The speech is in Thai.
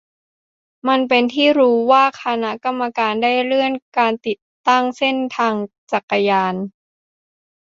มันเป็นที่รู้ว่าคณะกรรมการได้เลื่อนการติดตั้งเส้นทางจักรยาน